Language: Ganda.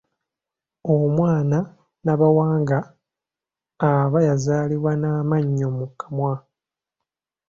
Omwana Nabawanga aba yazaalibwa n’amannyo mu kamwa.